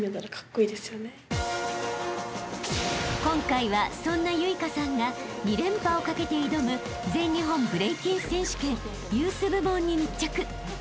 ［今回はそんな結翔さんが２連覇をかけて挑む全日本ブレイキン選手権ユース部門に密着］